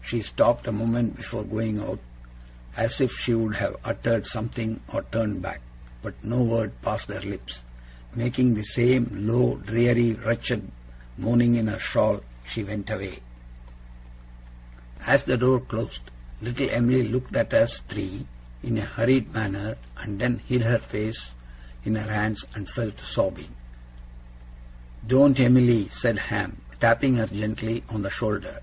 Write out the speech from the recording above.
She stopped a moment before going out, as if she would have uttered something or turned back; but no word passed her lips. Making the same low, dreary, wretched moaning in her shawl, she went away. As the door closed, little Em'ly looked at us three in a hurried manner and then hid her face in her hands, and fell to sobbing. 'Doen't, Em'ly!' said Ham, tapping her gently on the shoulder.